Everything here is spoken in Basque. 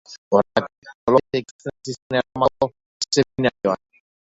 Horregatik, teologia ikasten hasi zen Erromako seminarioan.